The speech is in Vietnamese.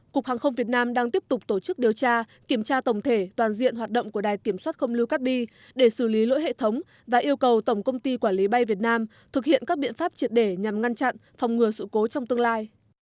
cục hàng không việt nam đang tiếp tục tổ chức điều tra kiểm tra tổng thể toàn diện hoạt động của đài kiểm soát không lưu cát bi để xử lý lỗi hệ thống và yêu cầu tổng công ty quản lý bay việt nam thực hiện các biện pháp triệt để nhằm ngăn chặn phòng ngừa sự cố trong tương lai